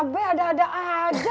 mbak abe ada ada aja ya